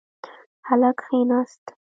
هلک کښېناست.